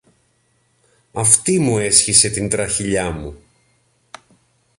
Αυτή μου έσχισε την τραχηλιά μου!